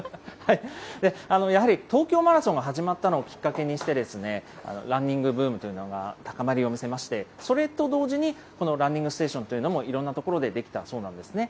やはり東京マラソンが始まったのをきっかけにして、ランニングブームというのが高まりを見せまして、それと同時に、このランニングステーションというのもいろんな所で出来たそうなんですね。